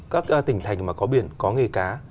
các tỉnh thành mà có biển có nghề cá